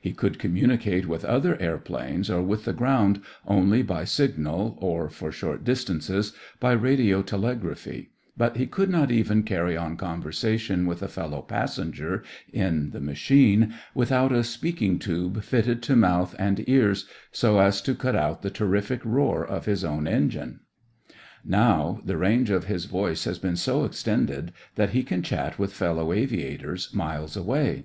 He could communicate with other airplanes or with the ground only by signal or, for short distances, by radiotelegraphy, but he could not even carry on conversation with a fellow passenger in the machine without a speaking tube fitted to mouth and ears so as to cut out the terrific roar of his own engine. Now the range of his voice has been so extended that he can chat with fellow aviators miles away.